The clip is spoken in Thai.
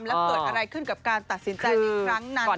แล้วเกิดอะไรขึ้นกับการตัดสินใจในครั้งนั้น